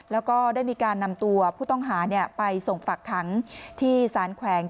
แล้วก็ได้มีการนำตัวผู้ต้องหาไปส่งฝักขังที่สารแขวง